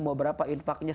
mau berapa infaknya